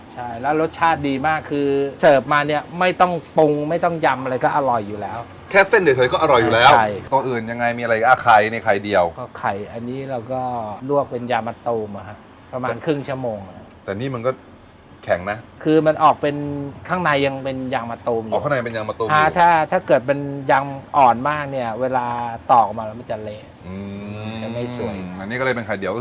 ชั่วโมงสามสี่ชั่วโมงสามสี่ชั่วโมงสามสี่ชั่วโมงสามสี่ชั่วโมงสามสี่ชั่วโมงสามสี่ชั่วโมงสามสี่ชั่วโมงสามสี่ชั่วโมงสามสี่ชั่วโมงสามสี่ชั่วโมงสามสี่ชั่วโมงสามสี่ชั่วโมงสามสี่ชั่วโมงสามสี่ชั่วโมงสามสี่ชั่วโมงสามสี่ชั่วโมงสามสี่ชั่วโมงสามสี่ชั่วโมงสามสี่ชั่วโมงสามสี่ช